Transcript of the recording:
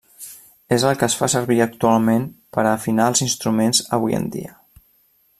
És el que es fa servir actualment per afinar els instruments avui en dia.